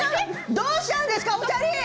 どうしたんですか？